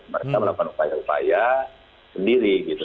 mereka melakukan upaya upaya sendiri gitu